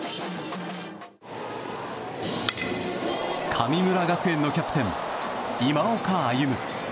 神村学園のキャプテン今岡歩夢。